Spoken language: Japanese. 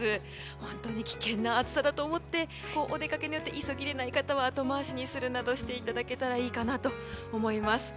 本当に危険な暑さだと思ってお出かけによって急ぎでない方は後回しにするなどしていただけたらいいかなと思います。